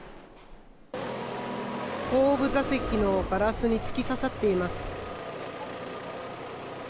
後部座席のガラスに突き刺さっています。